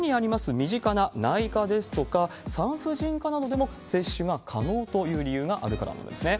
身近な内科ですとか産婦人科などでも接種が可能という理由があるからなんですね。